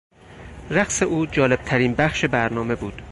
رقص او جالبترین بخش برنامه بود.